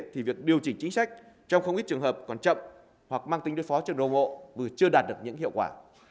thì việc điều chỉnh chính sách trong không ít trường hợp còn chậm hoặc mang tính đối phó trực đồng bộ vừa chưa đạt được những hiệu quả